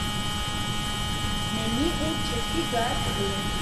Neniu ĉesigas lin.